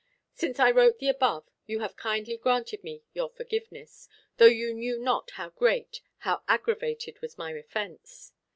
Since I wrote the above, you have kindly granted me your forgiveness, though you knew not how great, how aggravated was my offence.